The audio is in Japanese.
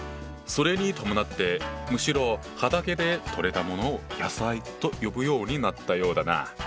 それに伴ってむしろ畑で取れたものを「野菜」と呼ぶようになったようだな。